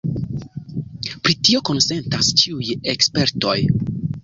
Pri tio konsentas ĉiuj ekspertoj.